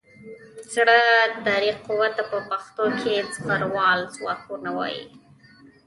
زرهدارې قوې ته په پښتو کې زغروال ځواکونه وايي.